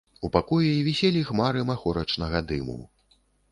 У пакоі віселі хмары махорачнага дыму.